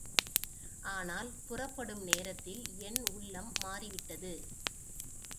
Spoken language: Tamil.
ஆனால் புறப்படும் நேரத்தில் என் உள்ளம் மாறிவிட்டது.